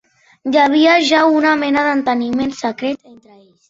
Hi havia ja una mena d'enteniment secret entre ells.